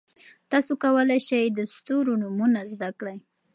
تاسي کولای شئ د ستورو نومونه زده کړئ.